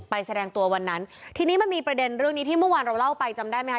แสดงตัววันนั้นทีนี้มันมีประเด็นเรื่องนี้ที่เมื่อวานเราเล่าไปจำได้ไหมคะ